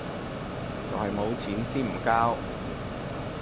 就係冇錢先唔交